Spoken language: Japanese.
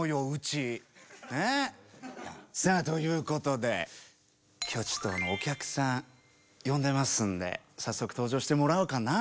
さあということで今日ちょっとお客さん呼んでますんで早速登場してもらおうかな。